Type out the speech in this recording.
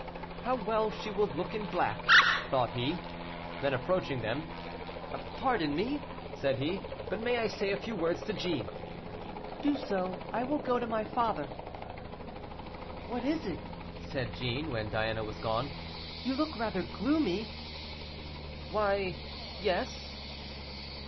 "How well she will look in black," thought he. Then, approaching them, "Pardon me," said he, "but may I say a few words to Jeanne?" "Do so; I will go to my father," "What is it?" said Jeanne, when Diana was gone; "you look rather gloomy." "Why, yes."